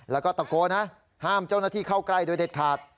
แล้วก็ตะโกนนะห้ามเจ้าหน้าที่เข้าใกล้โดยเด็ดขาด